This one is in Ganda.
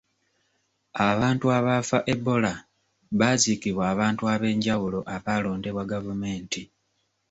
Abantu abaafa Ebola baaziikibwa abantu ab'enjawulo abaalondebwa gavumenti.